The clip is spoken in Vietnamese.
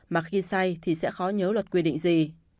mà khi say thì sẽ khó nhớ luật quy định gì